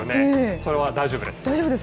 それは大丈夫です。